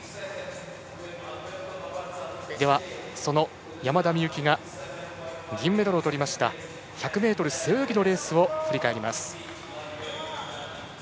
では、その山田美幸が銀メダルをとりました１００ｍ背泳ぎのレースを振り返ります。